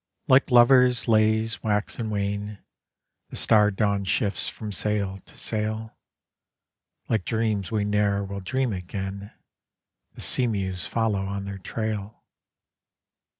Like lovers' lays wax and wane The star dawn shifts from sail to sail, Like dreams we ne'er will dream again; The sea mews follow on their trail.